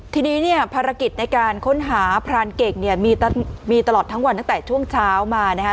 ทีนี้เนี่ยภารกิจในการค้นหาพรานเก่งเนี่ยมีตลอดทั้งวันตั้งแต่ช่วงเช้ามานะคะ